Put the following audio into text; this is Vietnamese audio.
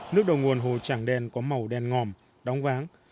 nước đầu nguồn hồ tràng đen có màu đen ngòm đóng váng